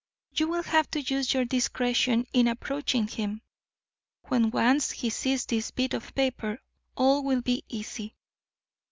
You will have to use your discretion in approaching him. When once he sees this bit of paper, all will be easy.